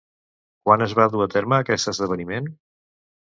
Quan es va dur a terme aquest esdeveniment?